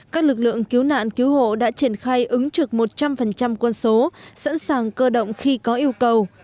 các lực lượng cứu nạn cứu hộ đã triển khai ứng trực một trăm linh quân số sẵn sàng cơ động khi có yêu cầu